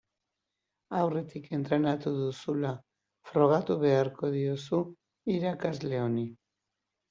Aurretik entrenatu duzula frogatu beharko diozu irakasle honi.